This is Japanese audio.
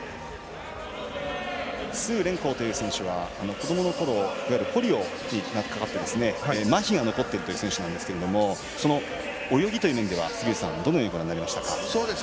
鄒連康という選手は子どものころ、ポリオにかかってまひが残っているという選手なんですけれどもその泳ぎという面ではどのようにご覧になりましたか？